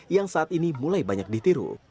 yang saat ini mulai banyak ditiru